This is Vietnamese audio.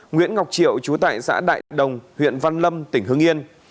sáu nguyễn ngọc triệu chú tại xã đại đồng huyện văn lâm tỉnh hưng yên